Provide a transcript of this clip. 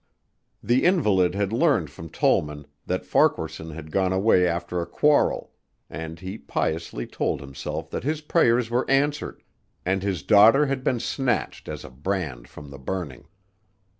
The invalid had learned from Tollman that Farquaharson had gone away after a quarrel, and he piously told himself that his prayers were answered and his daughter had been snatched as a brand from the burning.